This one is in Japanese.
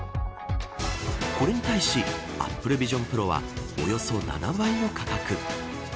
これに対しＡｐｐｌｅＶｉｓｉｏｎＰｒｏはおよそ７倍の価格。